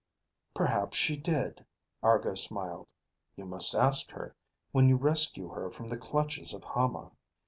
"Perhaps she did," Argo smiled. "You must ask her when you rescue her from the clutches of Hama."